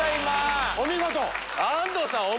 お見事！